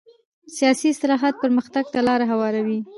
سیاسي اصلاحات پرمختګ ته لاره هواروي